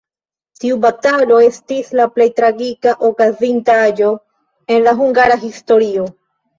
Tiu batalo estis la plej tragika okazintaĵo en la hungara historio.